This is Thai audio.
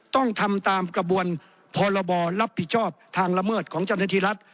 ต้องทำตามกระบวนพรบรับผิดชอบทางละเมิดของเจ้าหน้าที่รัฐ